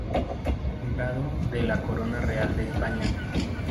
Timbrado de la Corona Real de España.